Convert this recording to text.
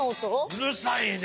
うるさいね。